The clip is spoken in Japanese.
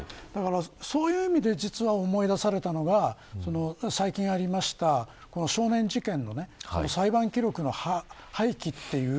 そういう意味で実は、思い出されたのが最近ありました少年事件の裁判記録の廃棄という。